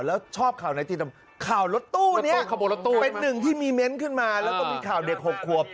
เป็นหนึ่งที่มีเม้นต์ขึ้นมาแล้วก็มีข่าวเด็ก๖ครับ